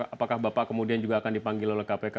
apakah bapak kemudian juga akan dipanggil oleh kpk